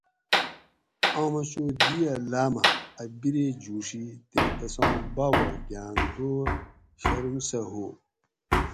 امہ چو دی اۤ لاۤمہ اۤ بیرے جوڛی تے تساں باوہ گۤان دور شروم سہۤ ہُو